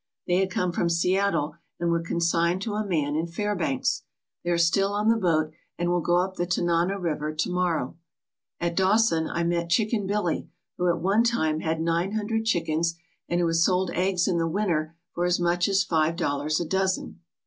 They had come from Seattle 126 WINTER TALES OF TANANA and were consigned to a man in Fairbanks. They are still on the boat and will go up the Tanana River to morrow. At Dawson I met Chicken Billy, who at one time had nine hundred chickens and who has sold eggs in the winter for as much as five dollars a dozen.